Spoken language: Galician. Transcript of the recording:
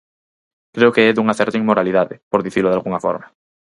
Creo que é dunha certa inmoralidade, por dicilo dalgunha forma.